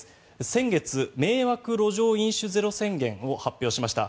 先月、迷惑路上飲酒ゼロ宣言を発表しました。